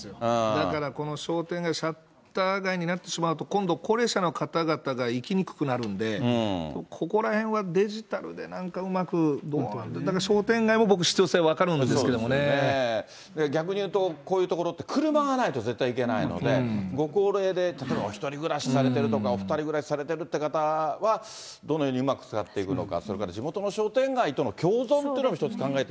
だからこの商店街がシャッター買いになってしまうと今度、高齢者の方々が行きにくくなるんで、ここらへんはデジタルでなんかうまく、商店街も僕、必要性分かる逆に言うと、こういう所って車がないと絶対いけないので、ご高齢で、例えばお１人暮らしされてるとか、お２人暮らしされてるって方は、どのようにうまく使っていくのか。